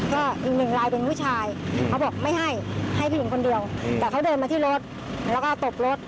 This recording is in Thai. เขาบอกไม่ให้ให้เพียงคนเดียวแต่เขาเดินมาที่รถแล้วก็ตบรถ